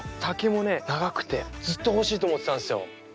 丈もね長くてずっと欲しいと思ってたんですよ。